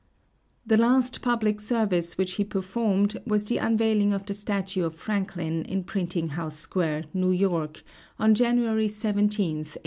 The last public service which he performed was the unveiling of the statue of Franklin in Printing House Square, New York, on January 17th, 1872.